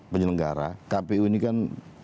penyelenggara kpu ini kan